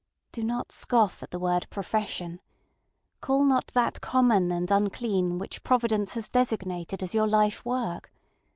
Do not scoff at the word ŌĆ£profession. ŌĆØ Call not that common and unclean which Providence has designated as your life work.